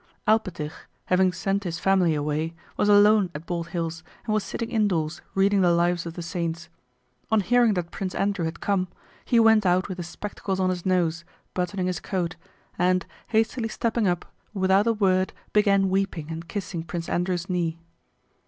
Alpátych, having sent his family away, was alone at Bald Hills and was sitting indoors reading the Lives of the Saints. On hearing that Prince Andrew had come, he went out with his spectacles on his nose, buttoning his coat, and, hastily stepping up, without a word began weeping and kissing Prince Andrew's knee.